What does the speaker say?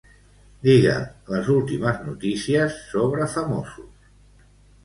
Digue'm les últimes notícies sobre famosos.